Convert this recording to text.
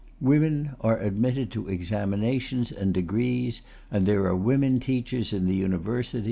Women are admitted to examinations and degrees, and there are women teachers in the university.